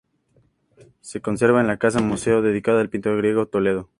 Se conserva en la casa-museo dedicada al pintor griego en Toledo.